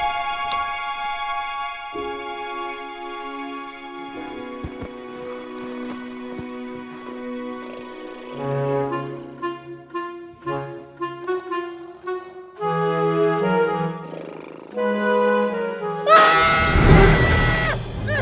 ustaz lu sana bencana